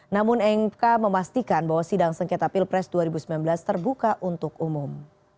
namun mk memastikan bahwa sidang sengketa pilpres dua ribu sembilan belas terbuka untuk umum